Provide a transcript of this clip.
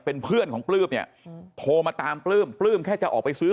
เป็นเพื่อนของปลื้มเนี่ยโทรมาตามปลื้มปลื้มแค่จะออกไปซื้อ